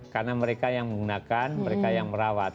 karena mereka yang menggunakan mereka yang merawat